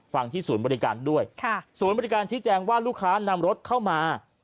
ที่ศูนย์บริการด้วยค่ะศูนย์บริการชี้แจงว่าลูกค้านำรถเข้ามา